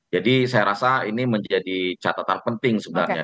jadi saya rasa ini menjadi catatan penting sebenarnya